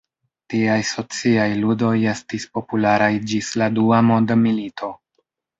Tiaj sociaj ludoj estis popularaj ĝis la Dua Mondmilito.